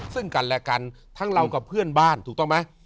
ซึ่งกันและกันทั้งเรากับเพื่อนบ้านถูกต้องไหม